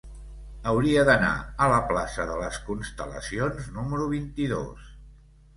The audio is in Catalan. Hauria d'anar a la plaça de les Constel·lacions número vint-i-dos.